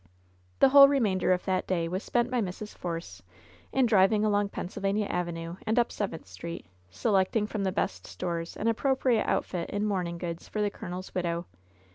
The whole remainder of that day was spent by Mrs. Force in driving along Pennsylvania Avenue and up Seventh Street, selecting from the best stores an appro priate outfit in mourning goods for the colonel's widow.